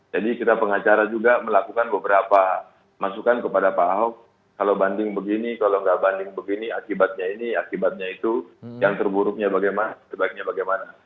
jadi kita pengacara juga melakukan beberapa masukan kepada pak aho kalau banding begini kalau nggak banding begini akibatnya ini akibatnya itu yang terburuknya bagaimana terbaiknya bagaimana